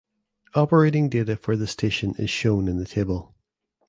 Operating data for the station is shown in the table.